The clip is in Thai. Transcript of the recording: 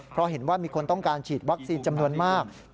เพราะเห็นว่ามีคนต้องการฉีดวัคซีนจำนวนมาก